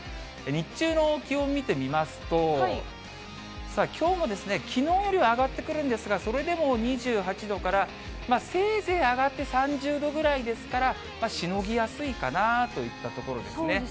日中の気温見てみますと、きょうもきのうよりは上がってくるんですが、それでも２８度からせいぜい上がって３０度ぐらいですから、しのぎやすいかなといったところですね。